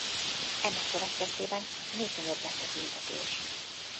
Ennek következtében még nagyobb lett a tüntetés.